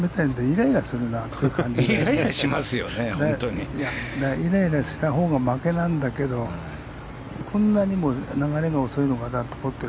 イライラしたほうが負けなんだけどこんなにも流れが遅いのかなと思って。